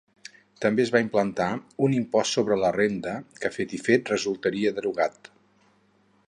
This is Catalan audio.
També es va implantar un Impost sobre la renda, que fet i fet resultaria derogat.